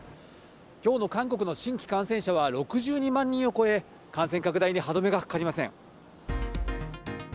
きょうの韓国の新規感染者は６２万人を超え、感染拡大に歯止めがかかりません。